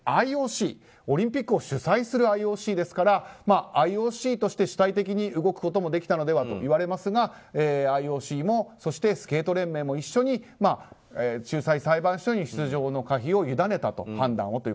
ＩＯＣ、オリンピックを主催するＩＯＣですからＩＯＣとして主体的に動くこともできたのではといわれますがＩＯＣもスケート連盟も一緒に仲裁裁判所に出場の可否の判断をゆだねたと。